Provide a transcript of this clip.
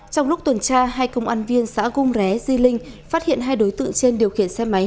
trong lúc tuần tra hai công an viên xã cung ré di linh phát hiện hai đối tượng trên điều khiển xe máy